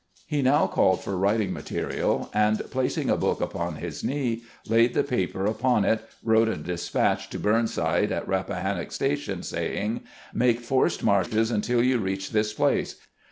He now called for writ ing material, and placing a book upon his knee, laid the paper upon it, and wrote a despatch to Burnside at Eappahannock Station, saying :" Make forced marches until you reach this place.